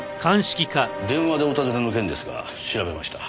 電話でお尋ねの件ですが調べました。